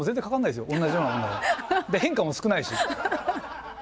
で変化も少ないし。